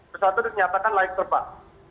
pesawat itu dinyatakan layak terbang